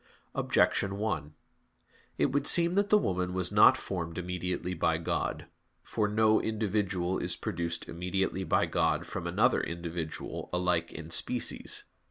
Objection 1: It would seem that the woman was not formed immediately by God. For no individual is produced immediately by God from another individual alike in species.